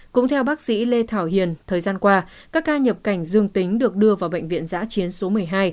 cũng theo bác sĩ lê thảo hiền thời gian qua các ca nhập cảnh dương tính được đưa vào bệnh viện giã chiến số một mươi hai